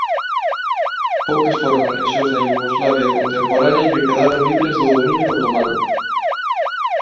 Poucas foron as rexións da Iugoslavia contemporánea que quedaron libres do dominio otomán.